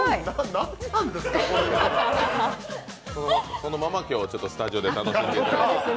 このままスタジオで楽しんでいただいて。